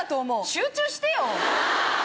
集中してよ！